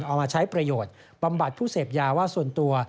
เอามาใช้ประโยชน์บำบัดผู้เสพยาว่าส่วนตัว